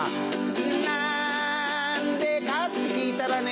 なんでか？って聞いたらね